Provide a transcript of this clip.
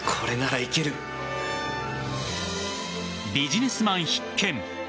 ビジネスマン必見！